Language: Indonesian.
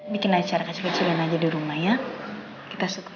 bikin acara kecil kecilan aja di rumah ya kita suka